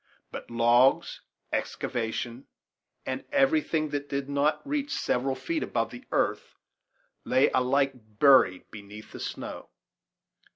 But logs, excavation, and everything that did not reach several feet above the earth lay alike buried beneath the snow.